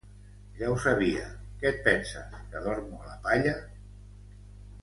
Ja ho sabia; que et penses que dormo a la palla?